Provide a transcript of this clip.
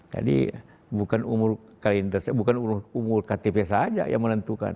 jadi bukan umur kalender bukan umur ktp saja yang menentukan